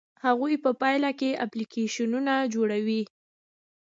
هغوی په پایله کې اپلیکیشنونه جوړوي.